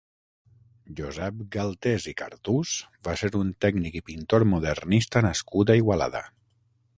Josep Galtés i Cardús va ser un tècnic i pintor modernista nascut a Igualada.